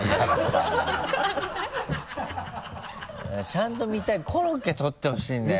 ちゃんと見たいコロッケ撮ってほしいんだよ。